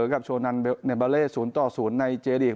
กับโชนัลเนเบอร์เลศูนย์ต่อศูนย์ในเจลีก